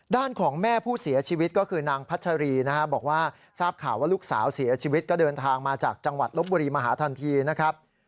ด้านของแม่ผู้เสียชีวิตก็คือนางพัชรีนะฮะบอกว่าทราบข่าวว่าลูกสาวเสียชีวิตก็เดินทางมาจากจังหวัดลบบุรีมาหาทันทีนะครับ